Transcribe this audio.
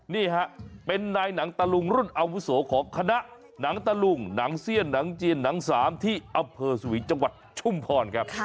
นี่ฮะเป็นนายหนังตะลุงรุ่นอาวุโสของคณะหนังตะลุงหนังเสี้ยนหนังเจียนหนังสามที่อำเภอสวีจังหวัดชุมพรครับ